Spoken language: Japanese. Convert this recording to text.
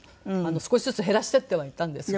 少しずつ減らしていってはいたんですが。